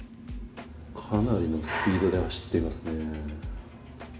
かなりのスピードで走っていますね。